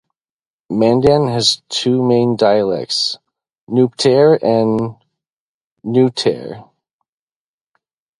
Mandan has two main dialects: Nuptare and Nuetare.